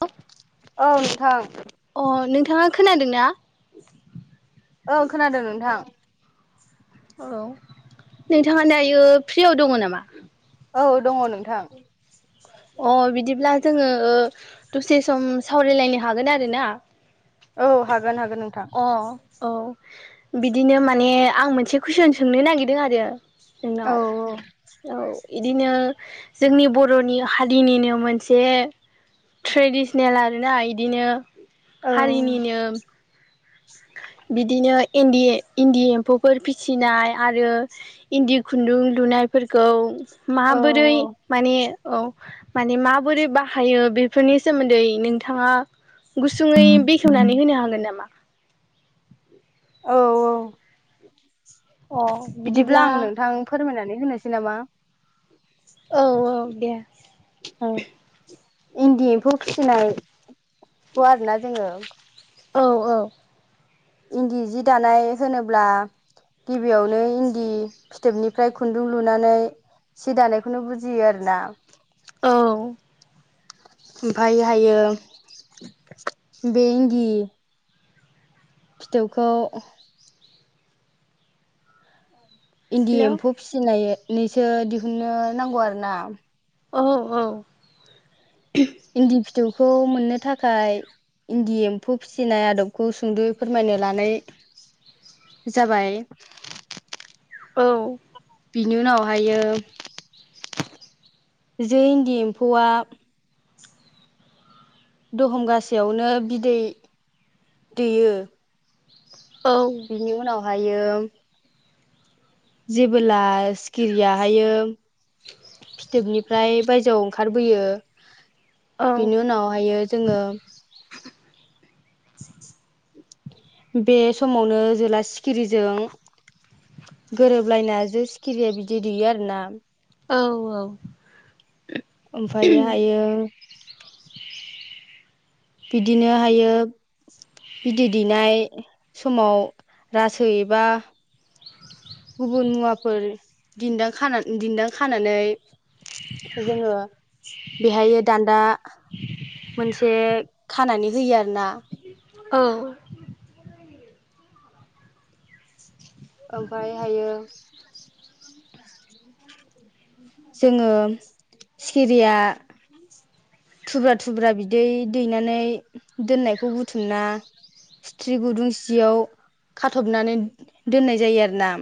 औ औ नोंथां अ नोंथाङा खोनादों ना औ खोनादों नोंथां औ नोंथाङा दायो फ्रियाव दङ नामा? औ दङ नोंथां अ बिदिब्ला जोङो दसे सम सावरायलायनो हागोन आरो ना औ हागोन हागोन नोंथां अ औ बिदिनो माने आं मोनसे कुइसन सोंनो नागिरदों आरो नोंनाव औ औ इदिनो जोंनि बर'नि हारिनिनो मोनसे ट्रेडिसनेल आरोना बिदिनो औ बिदिनो इन्दि इन्दि एम्फौफोर फिसिनाय आरो इन्दि खुन्दुं लुनायफोरखौ माबोरै औ माने औ माने माबोरै बाहायो बेफोरनि सोमोन्दै नोंथाङा गुसुङै बेखेवनानै होनो हागोन नामा? औ बिदिब्ला आं नोंथां फोरमायनानै होनोसै नामा। औ औ दे। ओ इन्दि एम्फौ फिसिनाय हाख'वा आरो ना जोङो औ औ। इन्दि जि दानाय होनोब्ला गिबियावनो इन्दि फिथोबनिफ्राय खुन्दुं लुनानै सि दानायखौनो बुजियो आरो ना। औ ओमफायहायो बे इन्दि फिथोबखौ इन्दि हेलौ एम्फौ फिसिनायनैसो दिहुननो नांगौ आरो ना। औ औ। इन्दि फिथोबखौ मोननो थाखाय इन्दि एम्फौ फिसिनाय आदबखौ सुंद'यै फोरमायनो लानाय जाबाय। औ। बिनि उनावहायो जै इन्दि एम्फौआ दहमगासेयावनो बिदै दैयो औ बिनि उनावहायो जेबोला सिखिरियाहायो फिथोबनिफ्राय बायजोआव ओंखारबोयो औ बिनि उनावहायो जोङो बे समावनो जोला सिखिरिजों गोरोबलायना जो सि खिरिया बिदै दैेयो आरो ना। औ औ। ओमफाययो हायो बिदिनो हायो बिदै दैनाय समाव रासो एबा गुबुन मुवाफोर दिन्दां खाना दिन्दां खानानै जोङो बेहाययो दान्दा मोनसे खानानै होयो आरो ना। औ। ओमफायहाययो जोङो सिखिरिया थुब्रा थुब्रा बिदै दैनानै दोननायखौ बुथुमना स्रिथ्रि गुदुं सियाव खाथबनानै दोननाय जायो आरो ना।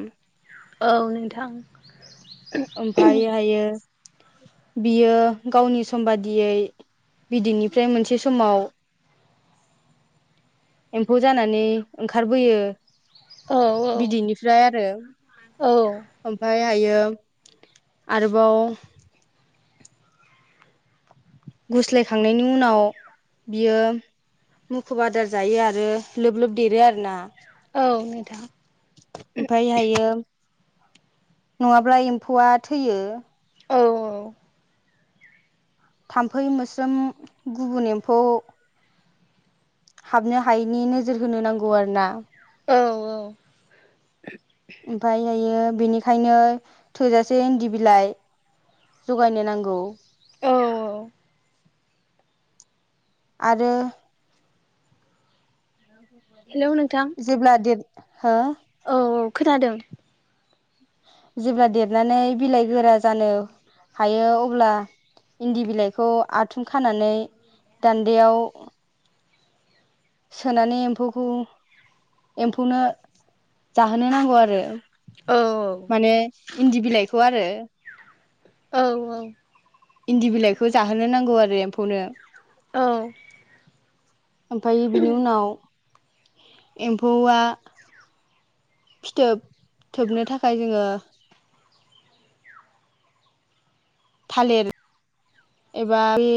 औ नोंथां। ओमफायहायो बियो गावनि सम बादियै बिदैनिफ्राय मोनसे समाव एम्फौ जानानै ओंखारबोयो औ औ बिदैनिफ्राय आरो। औ ओमफायहायो आरोबाव गुस्लायखांनायनि उनाव बियो मुखुब आदार जायो आरो लोब लोब देरो आरो ना। औ नोंथां। ओमफायहायो नङाब्ला एम्फौआ थैयो। औ थाम्फै मोस्रोम गुबुन एम्फौ हाबनो हायैनि नोजोर होनो नांगौ आरो ना। औ औ ओमफायहायो बेनिखायनो थोजासे इन्दि बिलाइ जगायनो नांगौ। औ आरो हेलौ नोंथां जेब्ला हो? औ औ खोनादों। जेब्ला देरनानै बिलाइ गोरा जानो हायो अब्ला इन्दि बिलाइखौ आथुम खानानै दान्दायाव, सोनानै एम्फौखौ एम्फौनो जाहोनो नांगौ आरो औ माने इन्दि बिलाइखौ आरो औ औ इन्दि बिलाइखौ जाहोनो नांगौ आरो एम्फौनो औ ओमफ्राय बिनि उनाव एम्फौआ फिथोब थोबनो थाखाय जोङो थालिर एबा बे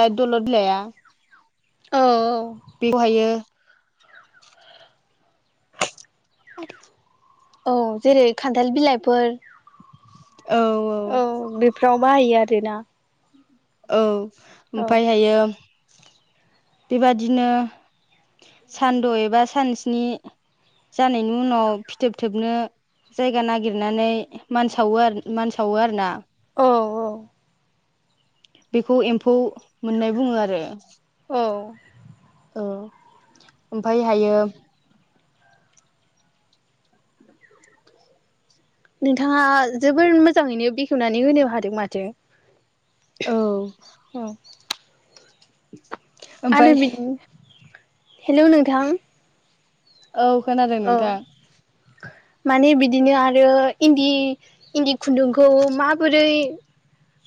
लाइ दलद बिइलाया औ औ बेखौहायो ए औ जेरै खान्थाल बिलाइफोर, औ बेफोराव बाहायो आरोना? औ औ ओमफायहायो बेबादिनो, सानद' एबा सान स्नि जानायनि उनाव फिथोबथोबनो जायगा नागिरनानै मान सावो आरो मान सावो आरो ना औ औ बेखौ एम्फौ मोननाय बुङो आरो औ औ ओमफ्राय हायो। नोंथाङा जोबोर मोजाङैनो बेखेवनानै होनो हादों माथो, औ औ आरो ओमफाय बिद हेलौ नोंथां, औ खोनादों औ नोंथां, माने बिदिनो आरो इन्दि इन्दि खुन्दुंखौ माबोरै,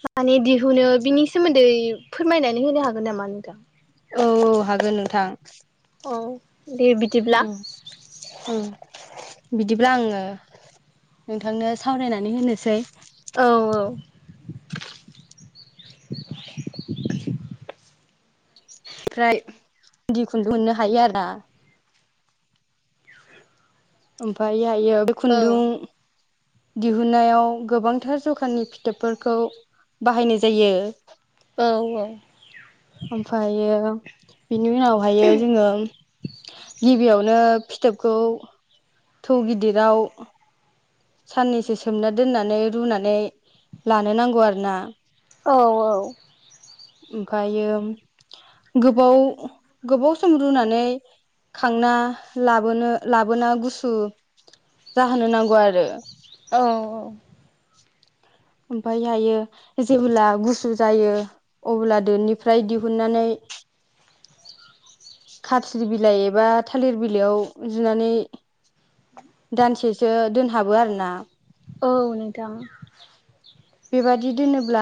माने दिहुनो बिनि सोमोन्दै फोरमायनानै होनो हागोन नामा नोंथां? औ औ हागोन नोंथां, औ दे बिदिब्ला औ औ बिदिब्ला आङो नोंथांनो सावरायनानै होनोसै, औ ओमफ्राय इन्दि खुन्दुं मोननो हायो आरो ना? ओमफ्राय आयो बे खुन्दुं, दिहुनन्नायाव गोबांथार जखाननि फिथोबफोरखौ बाहायनाय जायो। औ औ ओमफ्रायो बेनि उनावहाय जोङो गिबियावनो, फिथोबखौ थौ गिदिराव, साननैसो सोमना दोननानै रुनानै लानो नांगौ आरोना? औ औ ओमफ्रायो गोबाव गोबाव सम रुनानै, खांना लाबोनो लाबोना गुसु, जाहोनो नांगौ आरो औ ओमफाय हायो जेब्ला गुसु जायो अब्ला दोनि, फ्राय दिहुननानै, खाथ्रि बिलाइ एबा थालिर बिलाइयाव जुनानै दानसे सो दोनहाबो आरो ना? औ नोंथां बेबादि दोनोब्ला,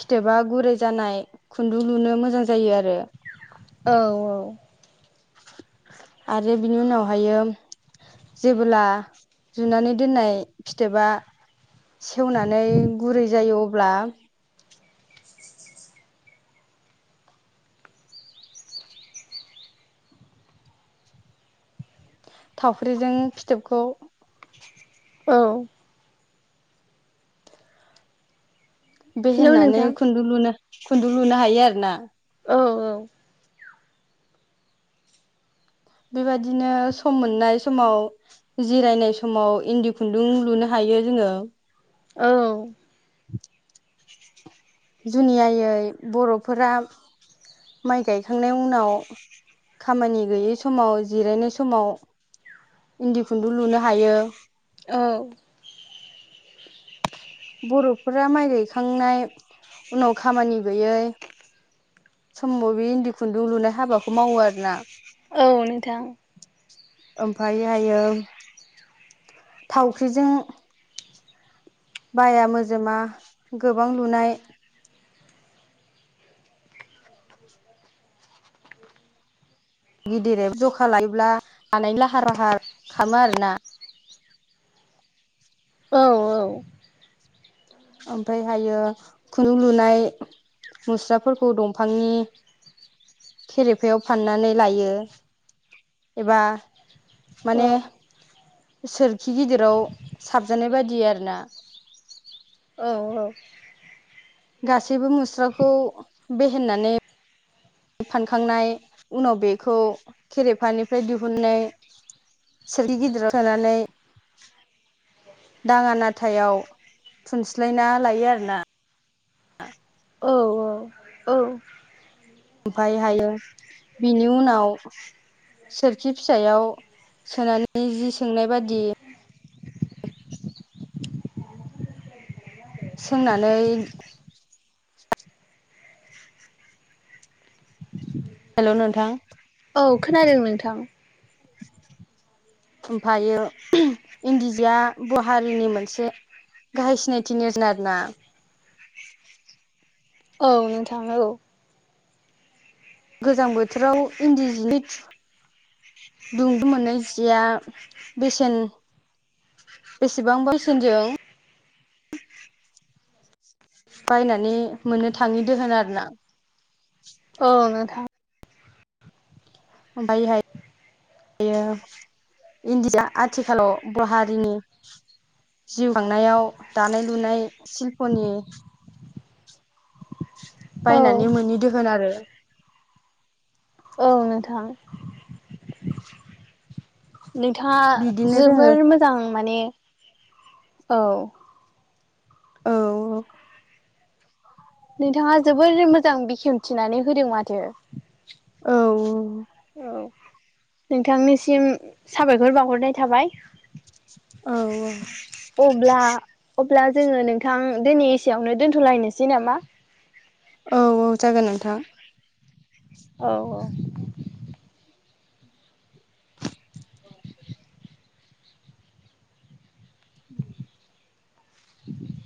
फिथोबा गुरै जानाय खुन्दुं लुनो मोजां जायो आरो औ औ आरो बिनि उनावहायो जेबोला जुनानै दोननाय फिथोबा सेवनानै गुरै जायो अब्ला थावफ्रिजों फिथोबखौ औ। बे हेलौ होननानै नोंथां खुन्दुं लुनो हायो आरो ना। औ बेबायदिनो सम मोननाय समाव जिरायनाय समाव इन्दि खुन्दुं लुनो हायो। हायो जोङो। औ। जुनियायै बर'फोरा माइ गायखांनायनि उनाव खामानि गैयै समाव जिरायनाय समाव इन्दि खुन्दुं लुनो हायो औ। बर'फोरा माइ गायखांनाय उनाव खामानि गैयै समाव बे इन्दि खुन्दुं लुनाय हाबाखौ मावो आरोोना औ नोंथां। ओमायहायो थावख्रिजों बाया मोजोमा गोबां लुनाय गिदिरै जखा लायोब्ला हानायनि लाहार फाहार खालामो आरोना। [inaudible] औ औ। ओमफ्राय हायो खन्दुं लुनाय मुस्राफोरखौ दंफांनि खेरिफायाव फाननानै लायो एबा औ माने सोरखि गिदिराव साबजानाय बायदि आरो ना [unintelligible] गासैबो मुस्राखौ बेहेननानै फानखांनाय उनाव बेखौ खेरेफानिफ्राय दिहुननाय सोरि गिदिराव सोनानै दाङा नाथायाव थुनस्लायना लायो आरोोना [unintelligible] औ औ औ। ओमफायहायो बिनि उनाव सोरखि फिसायाव सोनानै जि सोंनाय बादि [unintelligible] सोंनानै हेल' नोंथां। औ खोनादों नोंथां। ओमफ्रायो इन्दिजोआ बर' हारिनि मोनसे गाहाय सिनायथि नेरसोन आरो ना। [inaudible] औ नोंथाङो औ। गोजां बोथोराव इन्डिजिनि [unintelligible] दुंदु मोनो जिया बेसेन बेसेबां बेसेनजों। बायनानै मोननो थाङि दो होन आरोना। औ नोंथां। ओमफाय हाय। ईणदि जि आथिखालाव बर' हारिनि नेरसोन। जिउ खांनायाव दानाय लुनाय सिशिल्प'नि। औ बायनानैय मोननि दोहोन आरो। ओग नोंथां। नोंथाङा बिदिनो जोङो जोबोर मोजां माने औ। औव नोंथाङा जोबोर मोजां बेखेव थिनानै होदों माथो। औ ओग' औव नोंथांनिसिम साबायखर बावहरनाय थाबाय। औ अब्लाब्ला अब्लाब्ला जोंङो नोंथां दिनै एसेयावनो दोनथ'लायनोसैं नामा। औ औ जागोन नोंथां। औ औ। [inaudible] उ। बेबो [inaudible]